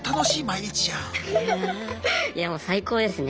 いやもう最高ですね。